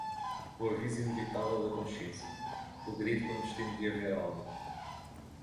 o aviso inevitável da consciência, o grito clandestino de haver alma